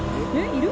いる？